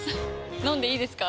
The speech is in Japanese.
飲んでいいですか？